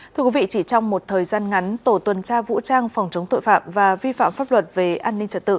thưa quý vị chỉ trong một thời gian ngắn tổ tuần tra vũ trang phòng chống tội phạm và vi phạm pháp luật về an ninh trật tự